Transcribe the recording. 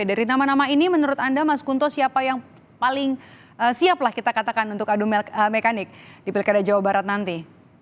dari nama nama ini menurut anda mas kunto siapa yang paling siap lah kita katakan untuk adu mekanik di pilkada jawa barat nanti